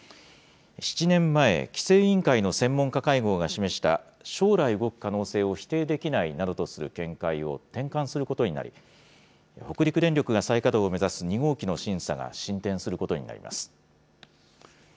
７年前、規制委員会の専門家会合が示した将来動く可能性を否定できないなどとする見解を転換することになり、北陸電力が再稼働を目指す２号機の審査が進展することになります。